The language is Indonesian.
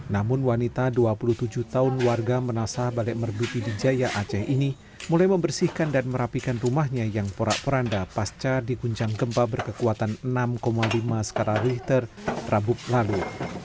namun wanita dua puluh tujuh tahun warga menasah balek merdu pidijaya aceh ini mulai membersihkan dan merapikan rumahnya yang porak poranda pasca diguncang gempa berkekuatan enam lima skala richter rabu lalu